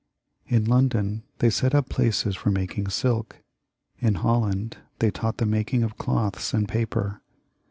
In London, they set up places for making silk ; in Holland, they taught the making of cloths and paper.